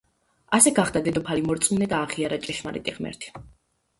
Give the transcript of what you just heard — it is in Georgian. ასე გახდა დედოფალი მორწმუნე და აღიარა ჭეშმარიტი ღმერთი.